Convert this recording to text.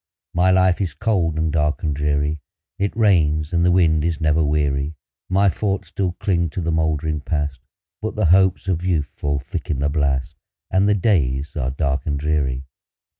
My life is cold, and dark, and dreary; It rains, and the wind is never weary; My thoughts still cling to the moldering Past, But the hopes of youth fall thick in the blast, And the days are dark and dreary.